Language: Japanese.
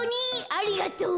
ありがとう。